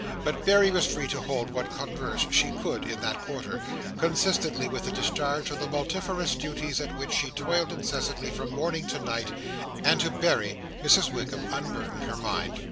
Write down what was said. But Berry was free to hold what converse she could in that quarter, consistently with the discharge of the multifarious duties at which she toiled incessantly from morning to night; and to Berry Mrs Wickam unburdened her mind.